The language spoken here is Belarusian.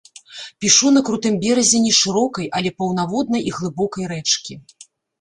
Пішу на крутым беразе нешырокай, але паўнаводнай і глыбокай рэчкі.